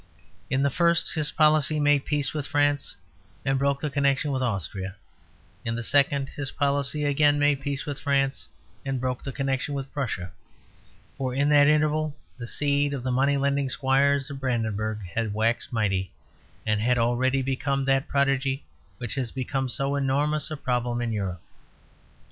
In the first his policy made peace with France, and broke the connection with Austria. In the second his policy again made peace with France, and broke the connection with Prussia. For in that interval the seed of the money lending squires of Brandenburg had waxed mighty, and had already become that prodigy which has become so enormous a problem in Europe.